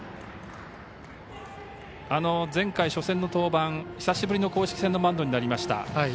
前回、初戦の登板久しぶりの公式戦のマウンドになりました。